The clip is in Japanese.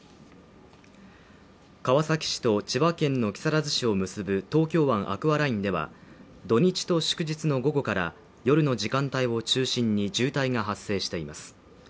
川崎市と千葉県の木更津市を結ぶ東京湾アクアラインでは土日と祝日の午後から夜の時間帯を中心に渋滞が発生しています。